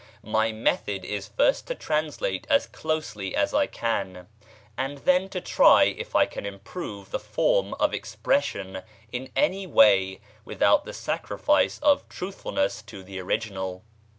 My method is first to translate as closely as I can, and then to try if I can improve the form of expression in any way without the sacrifice of truthfulness to the original.